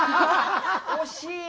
惜しい。